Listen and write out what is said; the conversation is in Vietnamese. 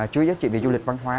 chuỗi giá trị về du lịch văn hóa